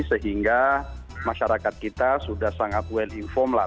sehingga masyarakat kita sudah sangat well inform lah